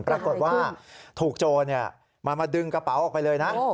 ปรากฏว่าถูกโจรมาดึงกระเป๋าออกไปเลยนะ